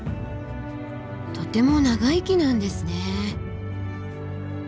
とても長生きなんですね。